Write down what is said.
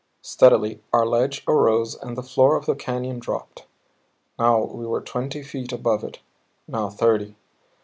Steadily our ledge arose and the floor of the canyon dropped. Now we were twenty feet above it, now thirty.